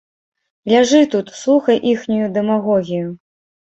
Ляжы тут, слухай іхнюю дэмагогію.